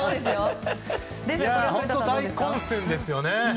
本当に大混戦ですよね。